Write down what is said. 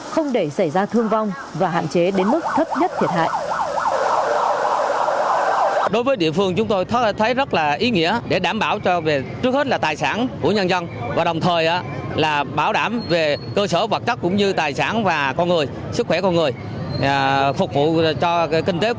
không để xảy ra thương vong và hạn chế đến mức thấp nhất thiệt hại